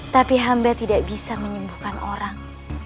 tapi hamba tidak bisa menyembuhkan orang